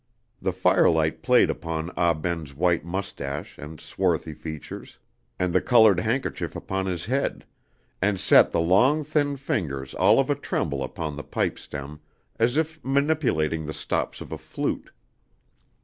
The firelight played upon Ah Ben's white moustache and swarthy features, and the colored handkerchief upon his head, and set the long thin fingers all of a tremble upon the pipe stem, as if manipulating the stops of a flute.